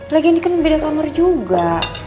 lagi ini kan beda kamar juga